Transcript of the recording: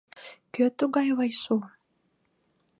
— Кӧ тугай Вайсу?